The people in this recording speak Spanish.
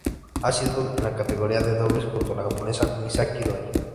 Ha sido en la categoría de dobles junto a la japonesa Misaki Doi.